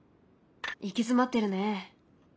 行き詰まってるね。